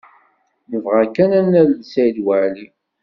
Nebɣa kan ad nalel Saɛid Waɛli.